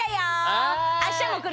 あしたもくるよ！